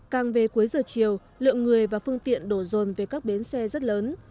càng về cuối giờ chiều lượng người và phương tiện đổ rồn về các bến xe rất lớn